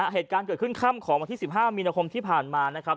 เหตุการณ์เกิดขึ้นค่ำของวันที่๑๕มีนาคมที่ผ่านมานะครับ